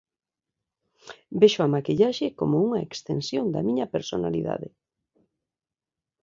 Vexo a maquillaxe como unha extensión da miña personalidade.